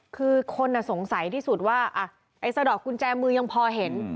คือคนสงสัยที่สุดว่าไอ้สะดอกกุญแจมือยังพอเห็น